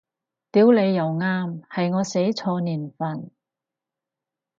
屌你又啱，係我寫錯年份